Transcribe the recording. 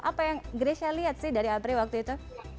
apa yang grecia lihat sih dari apri waktu itu